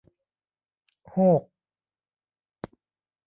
โฮก !